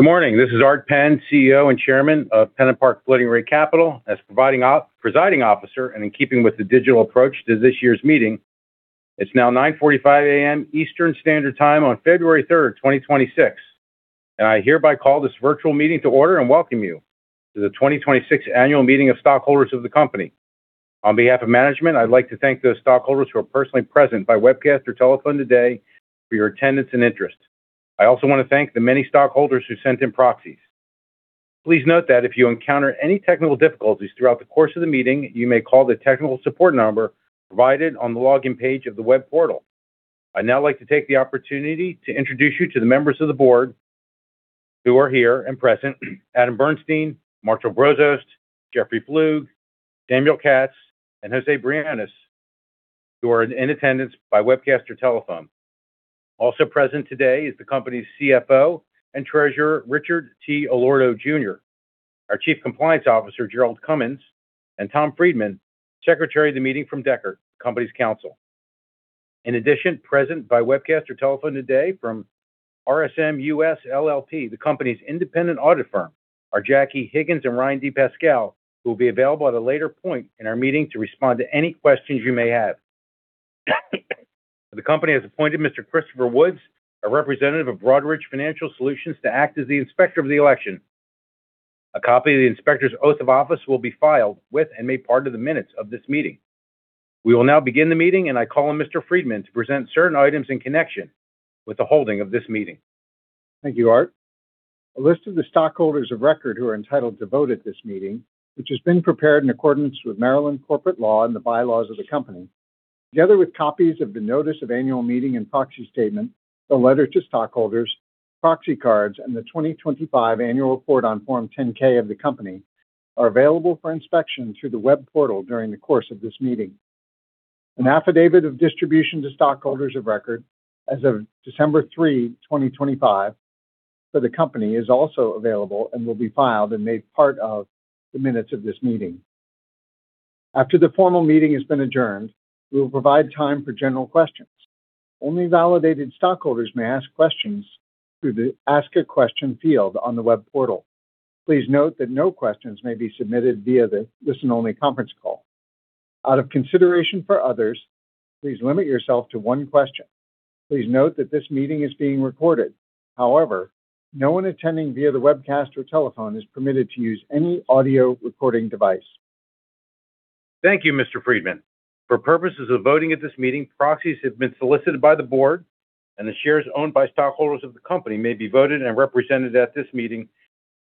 Good morning. This is Art Penn, CEO and Chairman of PennantPark Floating Rate Capital. As presiding officer, and in keeping with the digital approach to this year's meeting, it's now 9:45 A.M. Eastern Standard Time on February third, 2026, and I hereby call this virtual meeting to order and welcome you to the 2026 Annual Meeting of Stockholders of the company. On behalf of management, I'd like to thank those stockholders who are personally present by webcast or telephone today for your attendance and interest. I also want to thank the many stockholders who sent in proxies. Please note that if you encounter any technical difficulties throughout the course of the meeting, you may call the technical support number provided on the login page of the web portal. I'd now like to take the opportunity to introduce you to the members of the board who are here and present. Adam Bernstein, Marshall Brozost, Jeffrey Flug, Samuel Katz, and José A. Briones Jr., who are in attendance by webcast or telephone. Also present today is the company's CFO and Treasurer, Richard T. Allorto Jr., our Chief Compliance Officer, Gerard Cummins, and Thomas Friedmann, Secretary of the meeting from Dechert LLP, the company's counsel. In addition, present by webcast or telephone today from RSM US LLP, the company's independent audit firm, are Jackie Higgins and Ryan DePasquale, who will be available at a later point in our meeting to respond to any questions you may have. The company has appointed Mr. Christopher Woods, a representative of Broadridge Financial Solutions, to act as the inspector of the election. A copy of the inspector's oath of office will be filed with, and made part of the minutes of this meeting. We will now begin the meeting, and I call on Mr. Friedmann to present certain items in connection with the holding of this meeting. Thank you, Art. A list of the stockholders of record who are entitled to vote at this meeting, which has been prepared in accordance with Maryland corporate law and the bylaws of the company, together with copies of the notice of annual meeting and proxy statement, a letter to stockholders, proxy cards, and the 2025 annual report on Form 10-K of the company, are available for inspection through the web portal during the course of this meeting. An affidavit of distribution to stockholders of record as of December 3, 2025, for the company is also available and will be filed and made part of the minutes of this meeting. After the formal meeting has been adjourned, we will provide time for general questions. Only validated stockholders may ask questions through the Ask a Question field on the web portal. Please note that no questions may be submitted via the listen-only conference call. Out of consideration for others, please limit yourself to one question. Please note that this meeting is being recorded. However, no one attending via the webcast or telephone is permitted to use any audio recording device. Thank you, Mr. Friedmann. For purposes of voting at this meeting, proxies have been solicited by the board, and the shares owned by stockholders of the company may be voted and represented at this meeting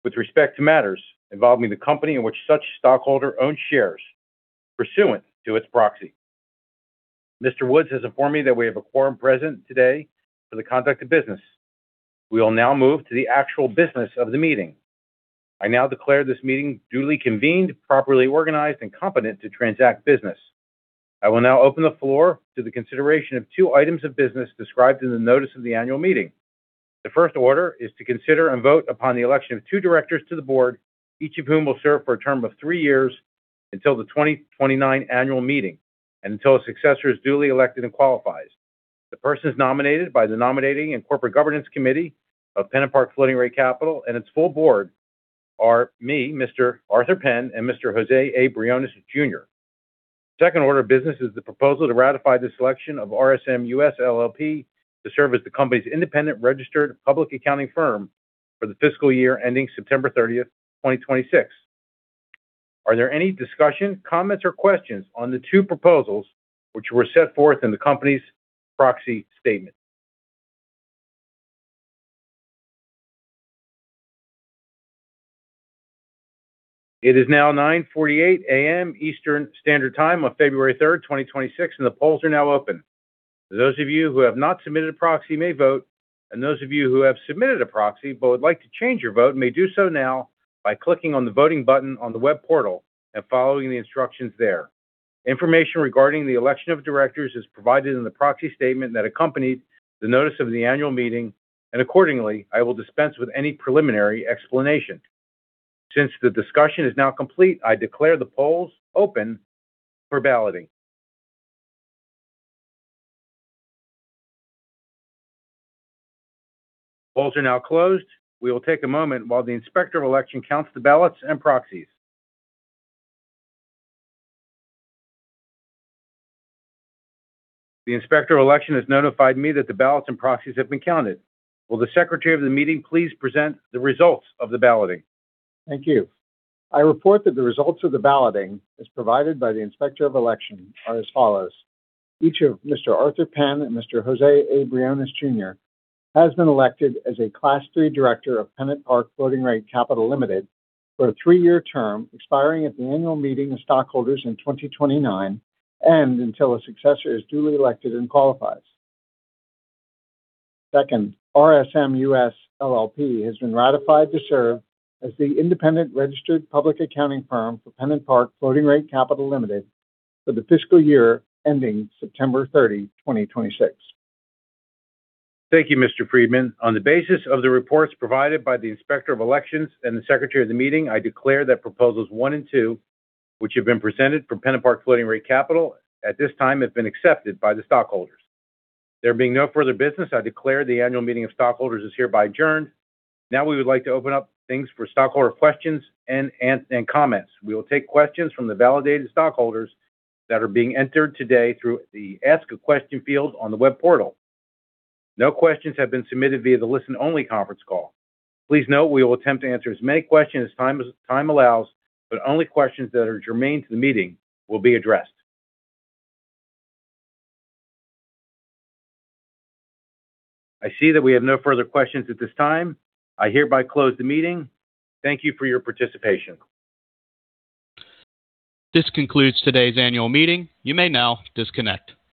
with respect to matters involving the company in which such stockholder owns shares pursuant to its proxy. Mr. Woods has informed me that we have a quorum present today for the conduct of business. We will now move to the actual business of the meeting. I now declare this meeting duly convened, properly organized, and competent to transact business. I will now open the floor to the consideration of two items of business described in the notice of the annual meeting. The first order is to consider and vote upon the election of two directors to the board, each of whom will serve for a term of three years until the 2029 annual meeting and until a successor is duly elected and qualifies. The persons nominated by the Nominating and Corporate Governance Committee of PennantPark Floating Rate Capital and its full board are me, Mr. Arthur Penn, and Mr. Jose A. Briones Jr. The second order of business is the proposal to ratify the selection of RSM US LLP to serve as the company's independent registered public accounting firm for the fiscal year ending September 30th, 2026. Are there any discussions, comments, or questions on the two proposals which were set forth in the company's proxy statement? It is now 9:48 A.M. Eastern Standard Time on February 3rd, 2026, and the polls are now open. Those of you who have not submitted a proxy may vote, and those of you who have submitted a proxy but would like to change your vote may do so now by clicking on the voting button on the web portal and following the instructions there. Information regarding the election of directors is provided in the proxy statement that accompanied the notice of the annual meeting, and accordingly, I will dispense with any preliminary explanation. Since the discussion is now complete, I declare the polls open for balloting. Polls are now closed. We will take a moment while the inspector of election counts the ballots and proxies. The inspector of election has notified me that the ballots and proxies have been counted. Will the Secretary of the meeting please present the results of the balloting? Thank you. I report that the results of the balloting, as provided by the inspector of election, are as follows: Each of Mr. Arthur Penn and Mr. Jose A. Briones Jr. has been elected as a Class III director of PennantPark Floating Rate Capital Limited for a 3-year term, expiring at the annual meeting of stockholders in 2029 and until a successor is duly elected and qualifies. Second, RSM US LLP has been ratified to serve as the independent registered public accounting firm for PennantPark Floating Rate Capital Limited for the fiscal year ending September 30, 2026. Thank you, Mr. Friedmann. On the basis of the reports provided by the inspector of elections and the secretary of the meeting, I declare that proposals one and two, which have been presented for PennantPark Floating Rate Capital, at this time, have been accepted by the stockholders. There being no further business, I declare the annual meeting of stockholders is hereby adjourned. Now, we would like to open up things for stockholder questions and comments. We will take questions from the validated stockholders that are being entered today through the Ask a Question field on the web portal. No questions have been submitted via the listen-only conference call. Please note we will attempt to answer as many questions as time allows, but only questions that are germane to the meeting will be addressed. I see that we have no further questions at this time. I hereby close the meeting. Thank you for your participation. This concludes today's annual meeting. You may now disconnect.